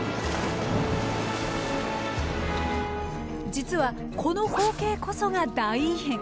実はこの光景こそが大異変。